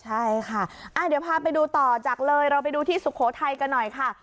ใช่ค่ะเดี๋ยวพาไปดูต่อจากเลยเราไปดูที่สุโขทัยกันหน่อยค่ะ